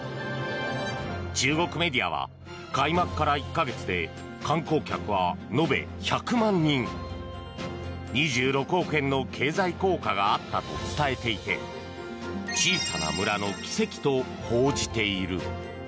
中国メディアは開幕から１か月で観光客は延べ１００万人２６億円の経済効果があったと伝えていて小さな村の奇跡と報じている。